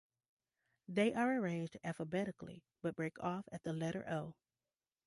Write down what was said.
They are arranged alphabetically, but break off at the letter O.